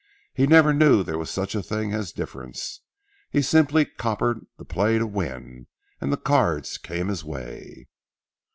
He never knew there was such a thing as difference. He simply coppered the play to win, and the cards came his way."